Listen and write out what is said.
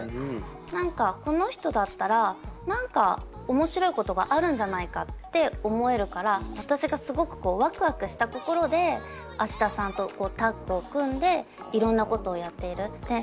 何かこの人だったら何か面白いことがあるんじゃないかって思えるから私がすごくワクワクした心で芦田さんとタッグを組んでいろんなことをやっている。